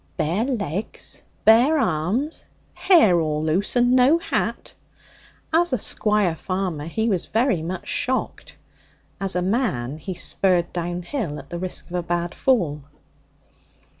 Bare legs! Bare arms! Hair all loose, and no hat! As a squire farmer, he was very much shocked. As a man, he spurred downhill at the risk of a bad fall.